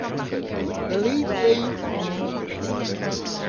The leaf veins are prominent.